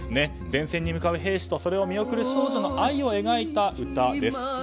前線に向かう兵士とそれを見送る少女の愛を描いた歌です。